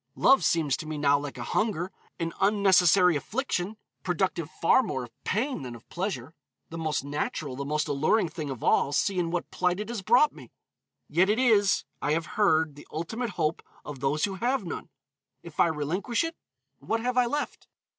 Love seems to me now like hunger, an unnecessary affliction, productive far more of pain than of pleasure; the most natural, the most alluring thing of all, see in what plight it has brought me. Yet it is, I have heard, the ultimate hope of those who have none. If I relinquish it, what have I left?